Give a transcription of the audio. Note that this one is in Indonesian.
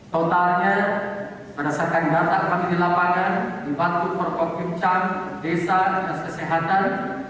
totalnya berdasarkan data yang dilapakan di bandung perkokim cang desa dan kesehatan